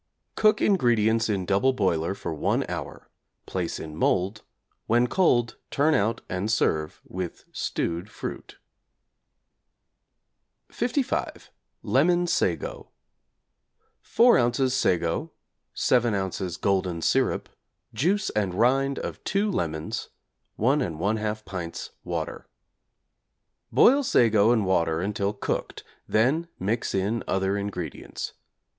Cook ingredients in double boiler for 1 hour; place in mould. When cold turn out and serve with stewed fruit. =55. Lemon Sago= 4 ozs. sago, 7 ozs. golden syrup, juice and rind of two lemons, 1 1/2 pints water. Boil sago in water until cooked, then mix in other ingredients.